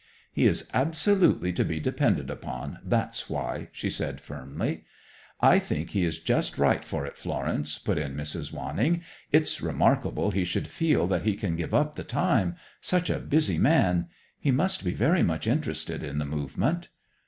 "He is absolutely to be depended upon, that's why," she said firmly. "I think he is just right for it, Florence," put in Mrs. Wanning. "It's remarkable he should feel that he can give up the time; such a busy man. He must be very much interested in the movement."